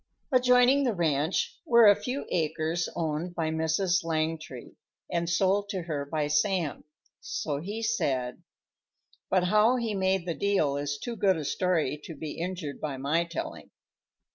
Adjoining the ranch were a few acres owned by "Mrs. Langtry," and sold to her by Sam, so he said, but how he made the deal is too good a story to be injured by my telling.